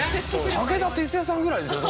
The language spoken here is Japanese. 武田鉄矢さんぐらいですよね